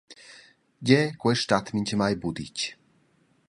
Gie, quei stat mintgamai buca ditg.